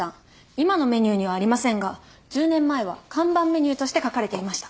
今のメニューにはありませんが１０年前は看板メニューとして書かれていました。